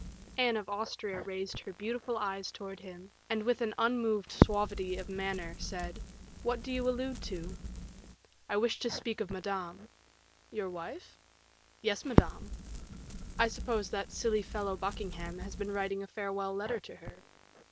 Anne of Austria raised her beautiful eyes towards him, and with an unmoved suavity of manner, said, "What do you allude to?" "I wish to speak of Madame." "Your wife?" "Yes, madame." "I suppose that silly fellow Buckingham has been writing a farewell letter to her."